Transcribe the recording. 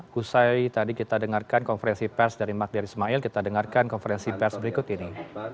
kusai tadi kita dengarkan konferensi pers dari magdir ismail kita dengarkan konferensi pers berikut ini